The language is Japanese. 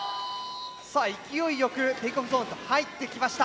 さあ勢いよくテイクオフゾーンへと入ってきました。